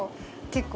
結構。